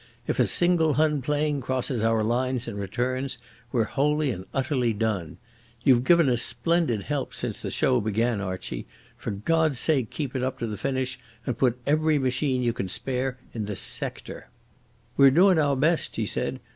If a single Hun plane crosses our lines and returns, we're wholly and utterly done. You've given us splendid help since the show began, Archie. For God's sake keep it up to the finish and put every machine you can spare in this sector." "We're doin' our best," he said.